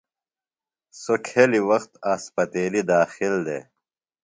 سوۡ کھیۡلیۡ وخت اسپتیلیۡ داخل دےۡ۔